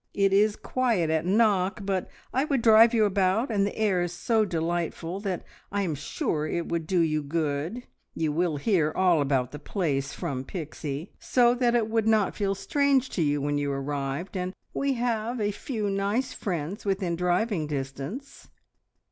It is quiet at Knock, but I would drive you about, and the air is so delightful that I am sure it would do you good. You will hear all about the place from Pixie, so that it would not feel strange to you when you arrived, and we have a few nice friends within driving distance.